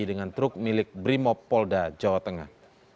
di brimopolda jawa tengah